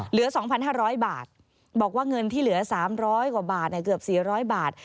เหลือ๒๕๐๐บาทบอกว่าเงินที่เหลือ๓๐๐กว่าบาทเกือบ๔๐๐บาท